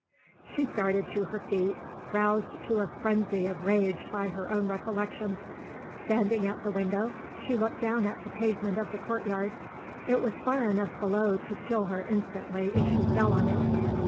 She started to her feet, roused to a frenzy of rage by her own recollections. Standing at the window, she looked down at the pavement of the courtyard it was far enough below to kill her instantly if she fell on it.